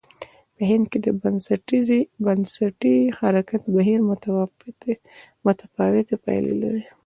په هند کې د بنسټي حرکت بهیر متفاوتې پایلې لرلې.